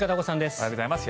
おはようございます。